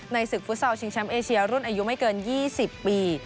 ศึกฟุตซอลชิงแชมป์เอเชียรุ่นอายุไม่เกิน๒๐ปี